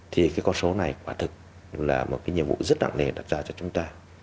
thì con số này quả thực là một nhiệm vụ rất đặng đề đặt ra cho chúng ta